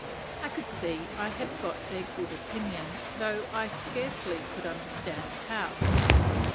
I could see I had got their good opinion, though I scarcely could understand how.